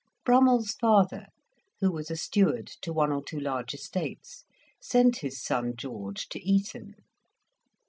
Brummell's father, who was a steward to one or two large estates, sent his son George to Eton.